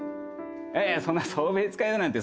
いやいやそんな送別会だなんて